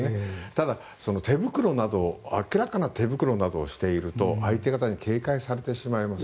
ただ、明らかに手袋などをしていると相手方に警戒されてしまいます。